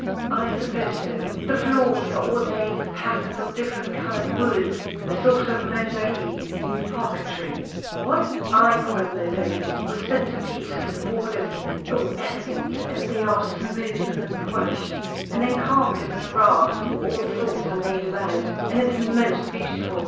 "I suppose so." "The floors are all laid in patterns of different coloured woods a sort of mosaic " "Parquetry." "What? I call it mosaic, with centre pieces and borders, O, elegant! And they are smooth and polished; and then carpets and rugs of all sorts are laid about; and it's most beautiful.